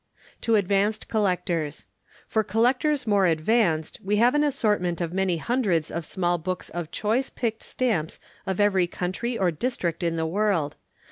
TO ADVANCED COLLECTORS. For Collectors more advanced we have an assortment of many hundreds of small books of Choice picked Stamps of every Country or District in the World.